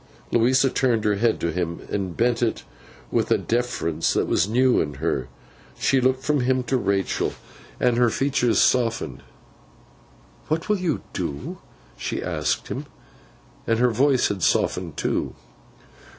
Louisa turned her head to him, and bent it with a deference that was new in her. She looked from him to Rachael, and her features softened. 'What will you do?' she asked him. And her voice had softened too.